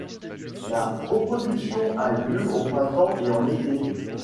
La reproduction a lieu au printemps et en été.